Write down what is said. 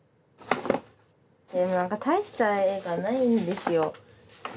でも何か大した絵がないんですよ。